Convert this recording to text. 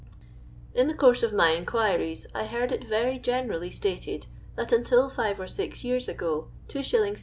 In the course of my inquiries I heard it very generally stated that until five or six years ago 2s, 6d.